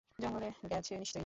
জঙ্গলে গেছে নিশ্চয়ই।